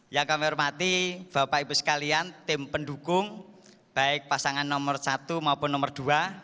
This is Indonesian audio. yang kami hormati bapak ibu sekalian tim pendukung baik pasangan nomor satu maupun nomor dua